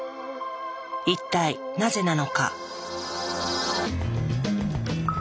一体なぜなのか？